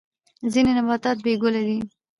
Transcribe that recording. ځینې نباتات بې ګله دي